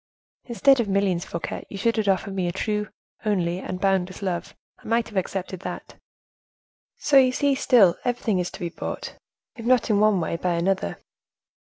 "Instead of millions, Fouquet, you should have offered me a true, only and boundless love: I might have accepted that. So you see, still, everything is to be bought, if not in one way, by another."